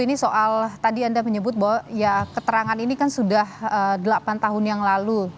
ini soal tadi anda menyebut bahwa ya keterangan ini kan sudah delapan tahun yang lalu